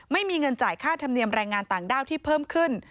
ไม่มีเงินจ่ายค่าธรรมเนียมแรงงานต่างด้าวที่เพิ่มขึ้น